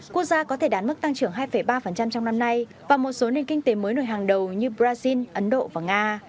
quốc gia có thể đán mức tăng trưởng hai ba trong năm nay và một số nền kinh tế mới nổi hàng đầu như brazil ấn độ và nga